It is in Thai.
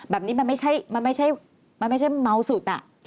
แบบนี้มันไม่ใช่เมาสุด